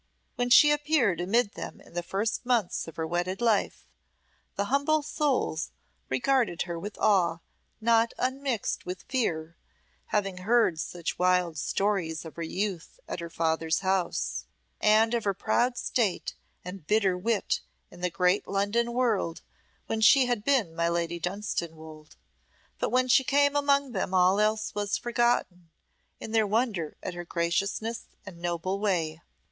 When she appeared amid them in the first months of her wedded life, the humble souls regarded her with awe not unmixed with fear, having heard such wild stories of her youth at her father's house, and of her proud state and bitter wit in the great London world when she had been my Lady Dunstanwolde; but when she came among them all else was forgotten in their wonder at her graciousness and noble way.